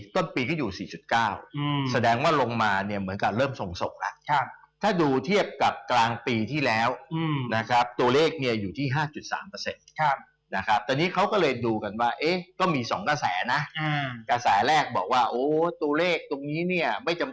ต้องขึ้นอัตราก็เบี้ยสารัสนะ